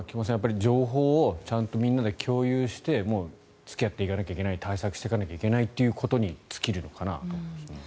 情報をみんなで共有して付き合いっていかなきゃいけない対策していかなきゃいけないということに尽きるのかなと。